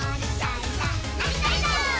「のりたいぞ！」